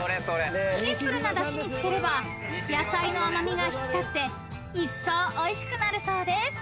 ［シンプルなだしにつければ野菜の甘味が引き立っていっそうおいしくなるそうです］